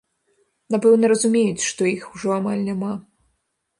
Напэўна, разумеюць, што іх ужо амаль няма.